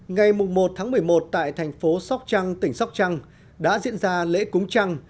ngày một tháng một mươi một tại thành phố sóc trăng tỉnh sóc trăng đã diễn ra lễ cúng trăng